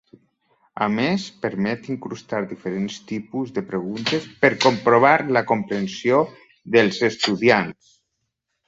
A més, permet incrustar diferents tipus de preguntes per comprovar la comprensió dels estudiants.